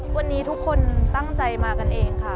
วันนี้ทุกคนตั้งใจมากันเองค่ะ